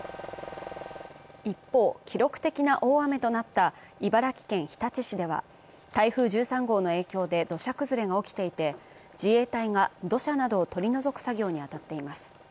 一方、記録的な大雨となった茨城県日立市では、台風１３号の影響で土砂崩れが起きていて、自衛隊が土砂などを取り除く作業に当たっています。